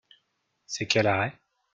C’est quel arrêt ?